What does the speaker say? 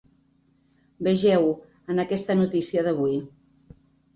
Vegeu-ho en aquesta notícia d’avui.